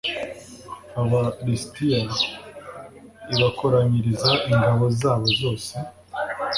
aba lisitiya i bakoranyiriza ingabo zabo zose